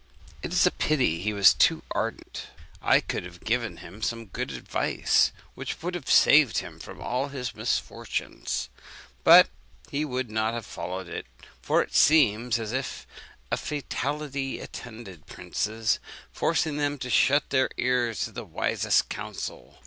'It is a pity he was too ardent. I could have given him some good advice, which would have saved him from all his misfortunes: but he would not have followed it; for it seems as if a fatality attended princes, forcing them to shut their ears to the wisest counsel.'